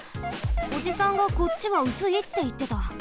おじさんが「こっちはうすい」っていってた。